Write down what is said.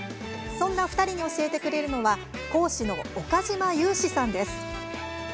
そんな２人に教えてくれるのは講師の岡嶋裕史さんです。